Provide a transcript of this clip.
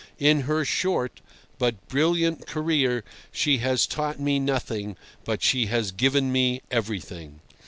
In her short, but brilliant, career she has taught me nothing, but she has given me everything.